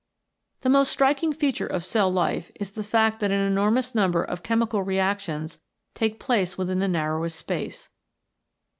The most striking feature of cell life is the fact that an enormous number of chemical re actions take place within the narrowest space.